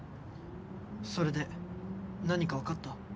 それで何か分かった？